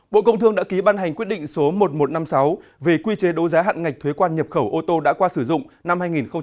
bộ công thương đã ký ban hành quyết định số một nghìn một trăm năm mươi sáu về quy chế đối giá hạn ngạch thuế quan nhập khẩu ô tô đã qua sử dụng năm hai nghìn một mươi chín